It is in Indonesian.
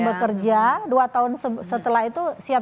kalau kerja dua tahun setelah itu siap siap